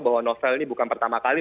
bahwa novel ini bukan pertama kali